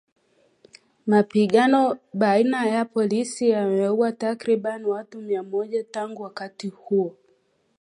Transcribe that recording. Mapigano baina ya polisi yameuwa takriban watu mia moja tangu wakati huo